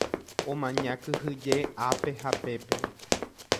Omaña kyhyje ápe ha pépe.